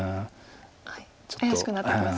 怪しくなってきますか。